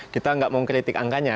kita nggak mau kritik angkanya